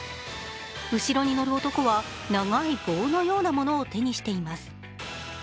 後ろに乗る男は長い棒のようなものを手にしています。